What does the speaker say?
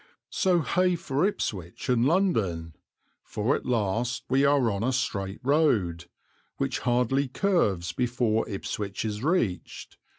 So hey for Ipswich and London, for at last we are on a straight road, which hardly curves before Ipswich is reached.